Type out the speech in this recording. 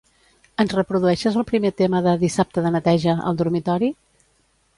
Ens reprodueixes el primer tema de "dissabte de neteja" al dormitori?